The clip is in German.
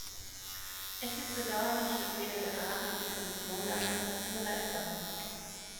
Es ist bedauerlich, dass weder der Rat noch die Kommission damals dazu bereit waren.